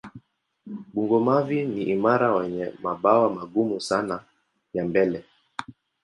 Bungo-mavi ni imara wenye mabawa magumu sana ya mbele.